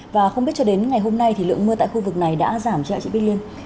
và không biết cho đến ngày hôm nay thì lượng mưa tại khu vực này đã giảm cho chị bích liên